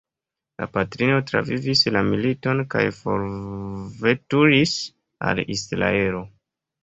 La patrino travivis la militon kaj forveturis al Israelo.